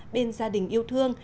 bên gia đình yêu thương